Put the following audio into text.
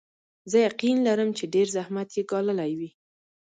زه یقین لرم چې ډېر زحمت یې ګاللی وي.